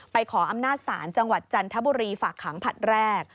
ขออำนาจศาลจังหวัดจันทบุรีฝากขังผลัดแรก